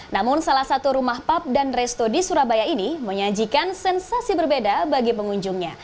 namun salah satu rumah pub dan resto di surabaya ini menyajikan sensasi berbeda bagi pengunjungnya